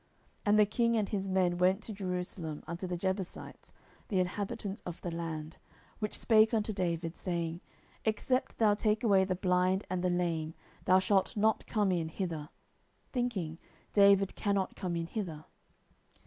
10:005:006 And the king and his men went to Jerusalem unto the Jebusites, the inhabitants of the land: which spake unto David, saying, Except thou take away the blind and the lame, thou shalt not come in hither: thinking, David cannot come in hither.